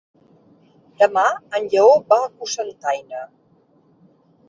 Demà en Lleó va a Cocentaina.